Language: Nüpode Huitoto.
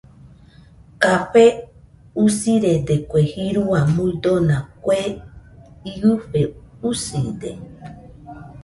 Café usirede kue jirua muidona kue iɨfe uside.